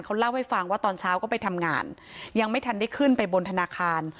เขาเล่าให้ฟังว่าตอนเช้าก็ไปทำงานยังไม่ทันได้ขึ้นไปบนธนาคาร